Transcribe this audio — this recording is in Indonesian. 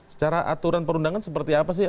secara aturan perundangan seperti apa sih